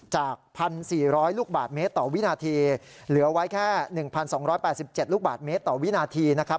จากพันสี่ร้อยลูกบาทเมตรต่อวินาทีเหลือไว้แค่หนึ่งพันสองร้อยแปดสิบเจ็ดลูกบาทเมตรต่อวินาทีนะครับ